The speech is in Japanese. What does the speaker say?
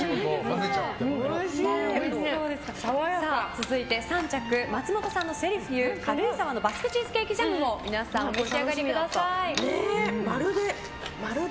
続いて３着、松本さんのセルフィユ軽井沢のバスクチーズケーキジャムを皆さんお召し上がりください。